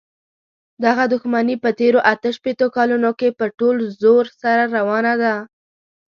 دغه دښمني په تېرو اته شپېتو کالونو کې په ټول زور سره روانه ده.